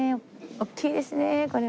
おっきいですねこれは。